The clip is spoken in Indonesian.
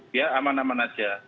dia aman aman aja